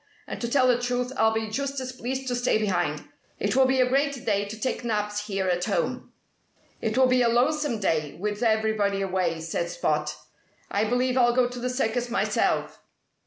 And to tell the truth, I'll be just as pleased to stay behind. It will be a great day to take naps here at home." "It will be a lonesome day, with everybody away," said Spot. "I believe I'll go to the circus myself."